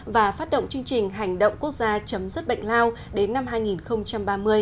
và phát động chương trình hành động quốc gia chấm dứt bệnh lao đến năm hai nghìn ba mươi